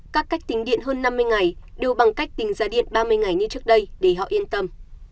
các cách tính điện hơn năm mươi ngày đều bằng cách tính giá điện ba mươi ngày như trước đây để họ yên tâm